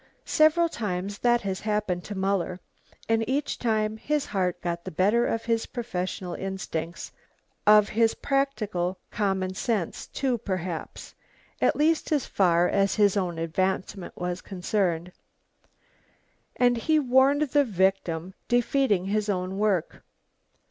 Several times that has happened to Muller, and each time his heart got the better of his professional instincts, of his practical common sense, too, perhaps,... at least as far as his own advancement was concerned, and he warned the victim, defeating his own work.